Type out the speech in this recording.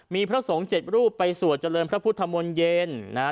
มีพระสงฆ์๗รูปไปสวดเจริญพระพุทธมนต์เย็นนะฮะ